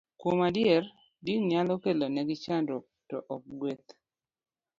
Kuom adier, din nyalo kelonegi chandruok, to ok gweth